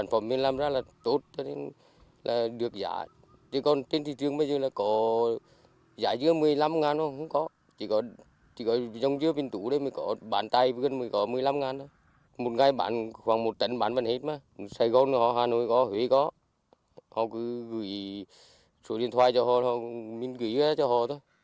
họ cứ gửi số điện thoại cho họ mình gửi cho họ